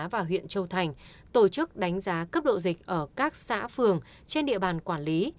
và huyện châu thành tổ chức đánh giá cấp độ dịch ở các xã phường trên địa bàn quản lý